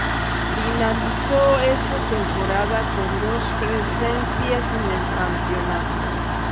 Finalizó esa temporada con dos presencias en el campeonato.